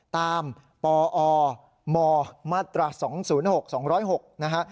ตามปอมม๒๐๖๒๐๖นะฮะ